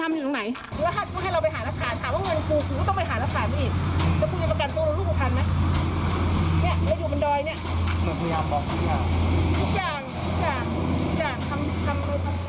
ทุกอย่างทุกอย่างทุกอย่างทำอะไรพอ